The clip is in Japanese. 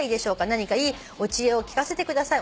何かいいお知恵を聞かせてください。